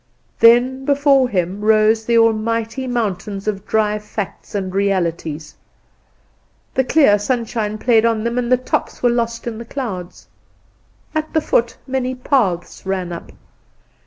Then before him rose the almighty mountains of Dry facts and Realities. The clear sunshine played on them, and the tops were lost in the clouds. At the foot many paths ran up.